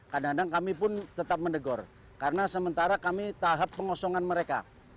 kadang kadang kami pun tetap mendegur karena sementara kami tahap pengosongan mereka